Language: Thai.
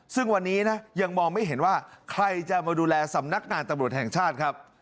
ซึ่งวันนี้นะยังมองไม่เห็นว่าใครจะมาดูแลสำนักงานตำรวจแห่งชาติครับ